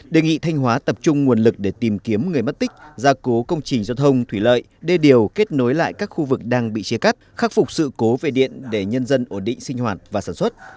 đề nghị thanh hóa tập trung nguồn lực để tìm kiếm người mất tích gia cố công trình giao thông thủy lợi đê điều kết nối lại các khu vực đang bị chia cắt khắc phục sự cố về điện để nhân dân ổn định sinh hoạt và sản xuất